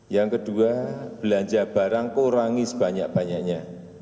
yang kedua belanja barang kurangi sebanyak banyaknya